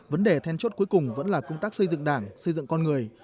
vấn đề then chốt cuối cùng vẫn là công tác xây dựng đảng xây dựng con người